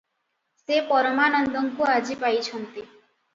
ସେ ପରମାନନ୍ଦଙ୍କୁ ଆଜି ପାଇଚନ୍ତି ।